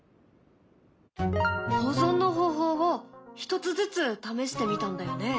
保存の方法を１つずつ試してみたんだよね？